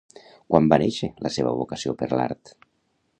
Quan va néixer la seva vocació per l'art?